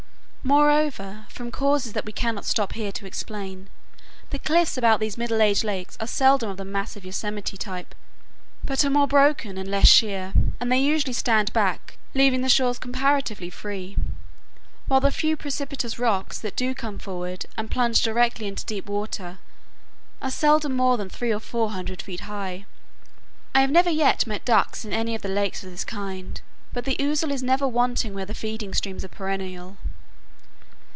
Moreover, from causes that we cannot stop here to explain, the cliffs about these middle aged lakes are seldom of the massive Yosemite type, but are more broken, and less sheer, and they usually stand back, leaving the shores comparatively free; while the few precipitous rocks that do come forward and plunge directly into deep water are seldom more than three or four hundred feet high. I have never yet met ducks in any of the lakes of this kind, but the ouzel is never wanting where the feeding streams are perennial.